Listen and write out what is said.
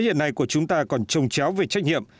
những điều này của chúng ta còn trông chéo về trách nhiệm